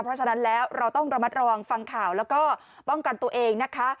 เพราะฉะนั้นแล้วเราต้องระมัดระวังฟังข่าวแล้วก็ป้องกันตัวเองนะคะ